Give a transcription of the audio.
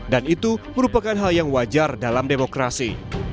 dan itu merupakan hal yang wajar dalam demokrasi